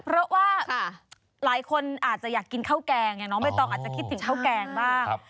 เพราะว่าหลายคนอาจจะอยากกินข้าวแกงไงน้องใบตองอาจจะคิดถึงข้าวแกงบ้าง